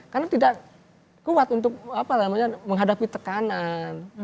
karena tidak kuat untuk menghadapi tekanan